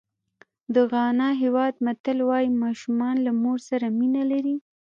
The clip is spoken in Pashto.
د غانا هېواد متل وایي ماشومان له مور سره مینه لري.